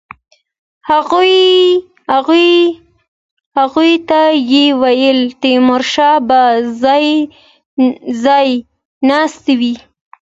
هغوی ته یې وویل تیمورشاه به ځای ناستی وي.